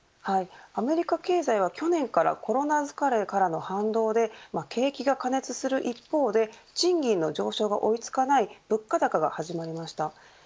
アメリカ経済は去年からコロナ疲れからの反動で景気が過熱する一方で賃金の上昇が追い付かない物価高が始まりました。